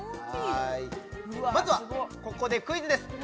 まずはここでクイズです